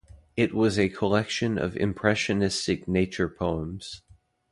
It was a collection of impressionistic nature poems.